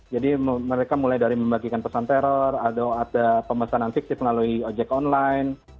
jadi mereka mulai dari membagikan pesan teror ada pemesanan fiksif melalui ojek online